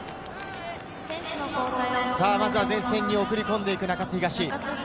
まずは前線に送り込んでいく中津東。